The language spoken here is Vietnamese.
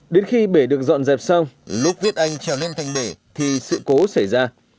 đến khi bể được dọn dẹp xong lúc viết anh trèo lên thành bể thì sự cố xảy ra